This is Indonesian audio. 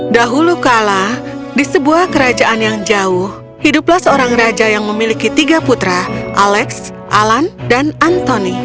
dahulu kala di sebuah kerajaan yang jauh hiduplah seorang raja yang memiliki tiga putra alex alan dan antoni